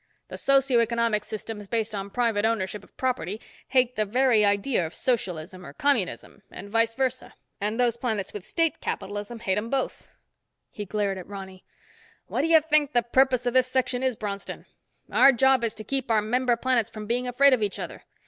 The socio economic systems based on private ownership of property hate the very idea of socialism or communism, and vice versa, and those planets with state capitalism hate them both." He glared at Ronny. "What do you think the purpose of this Section is, Bronston? Our job is to keep our member planets from being afraid of each other.